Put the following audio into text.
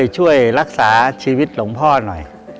ช่วยรักษาชีวิตหลวงพ่อหน่อย